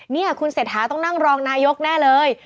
นี่คุณเศรษฐาต้องนั่งรองนายกแน่เลย